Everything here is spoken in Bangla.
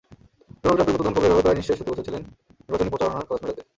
ডোনাল্ড ট্রাম্পের মতো ধনকুবেরও প্রায় নিঃশেষ হতে বসেছিলেন নির্বাচনী প্রচারণার খরচ মেটাতে।